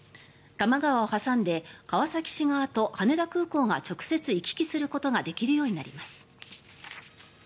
多摩川を挟んで川崎市側と羽田空港が直接行き来することができるようになります。